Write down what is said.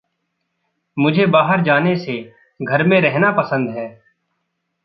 मुझे बाहर जाने से घर में रहना पसंद है।